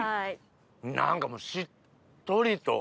何かもうしっとりと。